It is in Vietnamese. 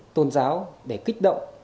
tôn giáo để kích động